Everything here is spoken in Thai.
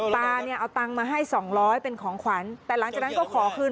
ป่าเนี่ยเอาตังมาให้๒๐๐เป็นของขวัญแต่หลังจากนั้นก็ขอคืน